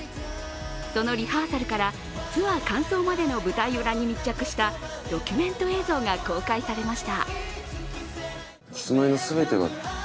そのリハーサルからツアー完走までの舞台裏に密着したドキュメント映像が公開されました。